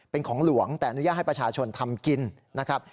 เป็นของหลวงแต่อนุญาตให้ประชาชนทำกินนะครับ